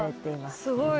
すごい。